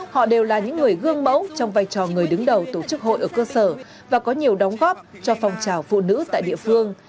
họ đều là những người gương mẫu trong vai trò người đứng đầu tổ chức hội ở cơ sở và có nhiều đóng góp cho phong trào phụ nữ tại địa phương